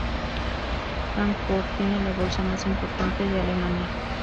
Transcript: Fráncfort tiene la bolsa más importante de Alemania.